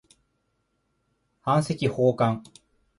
版籍奉還